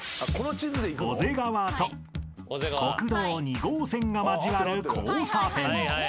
［小瀬川と国道２号線が交わる交差点］